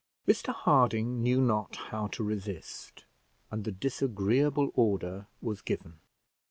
Mr Harding knew not how to resist, and the disagreeable order was given.